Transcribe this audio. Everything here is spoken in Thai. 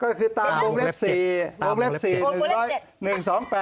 ก็คือตามโบงเล็บ๔